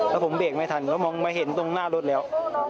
แล้วผมเบรกไม่ทันแล้วมองมาเห็นตรงหน้ารถแล้ว